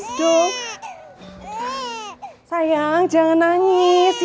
aduh mak jangan nangis